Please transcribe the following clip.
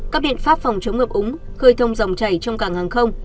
các biện pháp phòng chống ngập úng khơi thông dòng chảy trong cảng hàng không